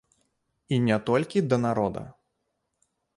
І не толькі да народа.